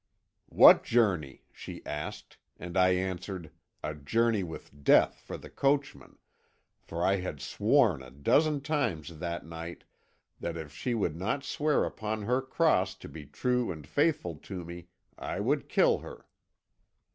'What journey?' she asked, and I answered, a journey with Death for the coachman, for I had sworn a dozen times that night that if she would not swear upon her cross to be true and faithful to me, I would kill her.